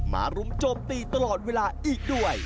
รุมโจมตีตลอดเวลาอีกด้วย